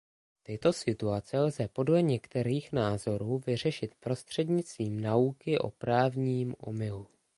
Tyto situace lze podle některých názorů vyřešit prostřednictvím nauky o právním omylu.